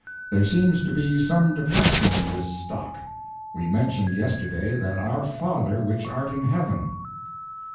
There seems to be some depression in this stock. We mentioned yesterday that our Father which art in heaven.